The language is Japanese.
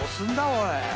おい！